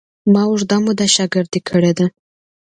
ما اوږده موده شاګردي کړې ده.